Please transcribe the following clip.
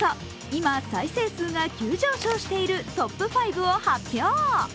今、再生数が急上昇しているトップ５を発表。